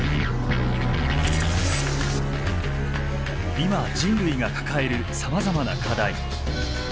今人類が抱えるさまざまな課題。